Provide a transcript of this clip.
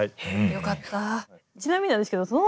よかった。